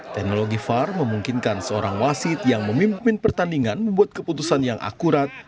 teknologi var memungkinkan seorang wasit yang memimpin pertandingan membuat keputusan yang akurat